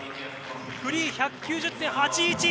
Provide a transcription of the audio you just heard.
フリー１９０．８１。